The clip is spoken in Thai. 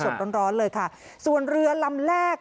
ร้อนเลยค่ะส่วนเรือลำแรก